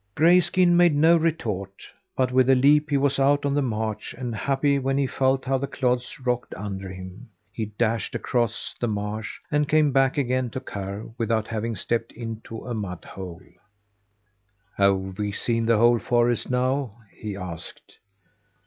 Grayskin made no retort, but with a leap he was out on the marsh, and happy when he felt how the clods rocked under him. He dashed across the marsh, and came back again to Karr, without having stepped into a mudhole. "Have we seen the whole forest now?" he asked.